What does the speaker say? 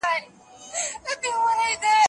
ایا کورني سوداګر وچ انار پروسس کوي؟